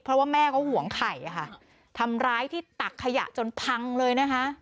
เพราะว่าแม่เขาห่วงไข่ค่ะทำร้ายที่ตักขยะจนพังเลยนะคะ